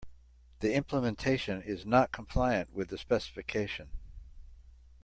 The implementation is not compliant with the specification.